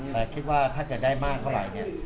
แต่คิดว่าถ้าเกิดได้มากเท่าไหร่เนี่ย